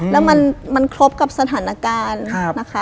แล้วมันครบกับสถานการณ์นะคะ